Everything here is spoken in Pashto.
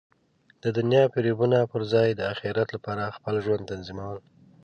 د دنیا د فریبونو پر ځای د اخرت لپاره خپل ژوند تنظیمول.